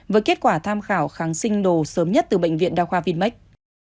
với kết quả tham khảo kháng sinh đồ sớm nhất từ bệnh viện đa khoa vinmec